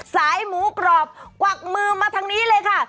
สายหมูกรอบกวักมือมาทางนี้เลยค่ะ